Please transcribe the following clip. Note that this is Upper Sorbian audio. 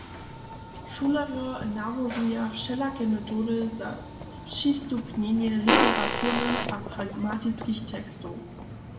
Šulerjo nałožuja wšelake metody za spřistupnjenje literarnych a pragmatiskich tekstow.